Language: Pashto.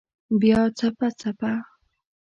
بیا څپه، څپه